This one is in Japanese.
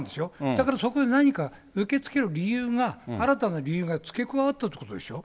だからそこで何か、受け付ける理由が新たな理由が付け加わったっていうことでしょ。